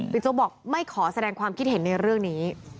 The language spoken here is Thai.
โจ๊กบอกไม่ขอแสดงความคิดเห็นในเรื่องนี้